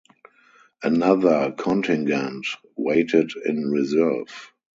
Another contingent waited in reserve.